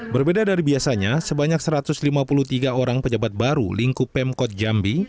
berbeda dari biasanya sebanyak satu ratus lima puluh tiga orang pejabat baru lingkup pemkot jambi